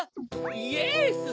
イエス！